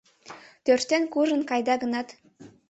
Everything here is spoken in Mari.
Тӧрштен куржын кайда гынат